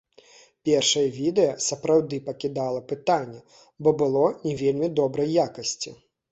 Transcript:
Першае відэа сапраўды пакідала пытанні, бо было не вельмі добрай якасці.